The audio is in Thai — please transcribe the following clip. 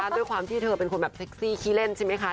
ด้วยความที่เธอเป็นคนแบบเซ็กซี่ขี้เล่นใช่ไหมคะ